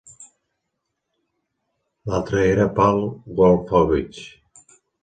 L'altre era Paul Wolfowitz.